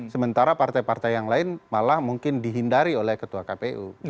sementara partai partai yang lain malah mungkin dihindari oleh ketua kpu